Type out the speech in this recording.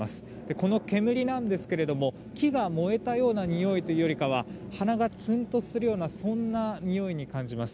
この煙なんですけれども木が燃えたようなにおいというよりかは鼻がつんとするようなにおいに感じます。